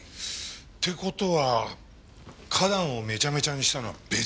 って事は花壇をめちゃめちゃにしたのは別人って事か。